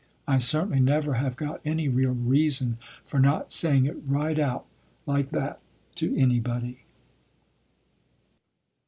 I certainly never have got any real reason for not saying it right out like that to anybody."